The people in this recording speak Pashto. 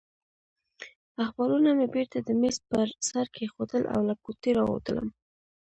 اخبارونه مې بېرته د مېز پر سر کېښودل او له کوټې راووتلم.